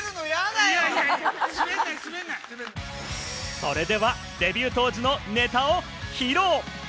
それではデビュー当時のネタを披露。